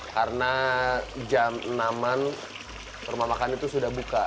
karena jam enaman rumah makan itu sudah buka